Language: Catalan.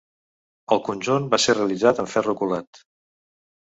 El conjunt va ser realitzat en ferro colat.